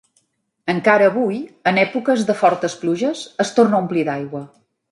Encara avui, en èpoques de fortes pluges, es torna a omplir d'aigua.